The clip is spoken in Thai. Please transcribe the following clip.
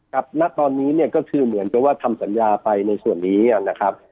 ณตอนนี้เนี่ยก็คือเหมือนกับว่าทำสัญญาไปในส่วนนี้นะครับ